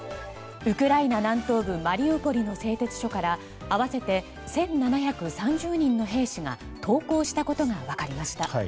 ウクライナ南東部マリウポリの製鉄所から合わせて１７３０人の兵士が投降したことが分かりました。